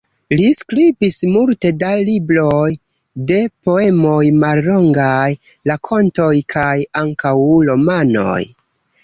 Li skribis multe da libroj de poemoj, mallongaj rakontoj, kaj ankaŭ romanoj.